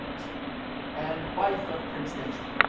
On the whole kings seem to have often evolved out of magicians.